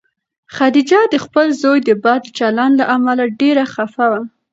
خدیجه د خپل زوی د بد چلند له امله ډېره خفه وه.